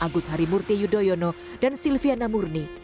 agus harimurti yudhoyono dan silviana murni